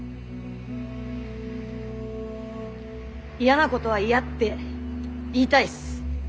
嫌なことは嫌って言いたいっす。